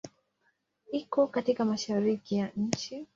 Iko katika Mashariki ya nchi.